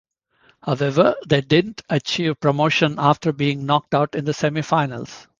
However they didn't achieve promotion after being knocked out in the semi-finals.